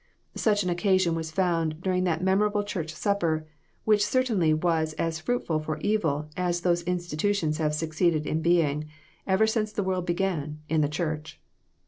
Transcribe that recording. Such an occasion was found dur ing that memorable church supper, which certainly was as fruitful for evil as those institutions have succeeded in being, ever since the world began, in the church.